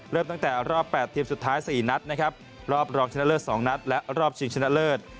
เริ่มตั้งแต่รอบ๘ทีมสุดท้าย๔นัดนะครับรอบรองชนะเลิศ๒นัดและรอบชิงชนะเลิศ